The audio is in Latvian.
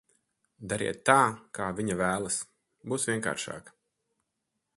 Dariet tā, kā viņa vēlas, būs vienkāršāk.